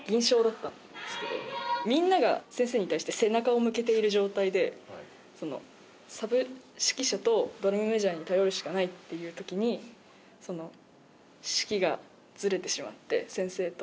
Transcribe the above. みんなが先生に対して背中を向けている状態で、サブ指揮者とドラムメジャーに頼るしかないっていうときに、指揮がずれてしまって、先生と。